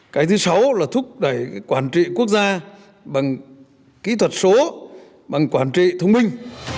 cái thứ sáu là thúc đẩy quản trị quốc gia bằng kỹ thuật số bằng quản trị thông minh